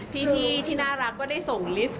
พี่ที่น่ารักก็ได้ส่งลิสต์